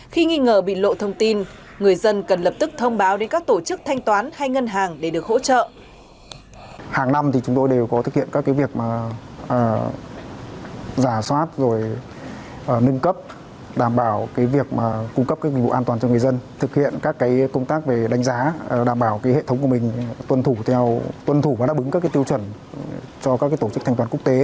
khi nghi ngờ bị lộ thông tin người dân cần lập tức thông báo đến các tổ chức thanh toán